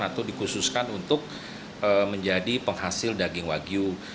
atau dikhususkan untuk menjadi penghasil daging wagyu